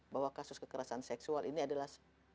bahwa kasus kekerasan seksual ini adalah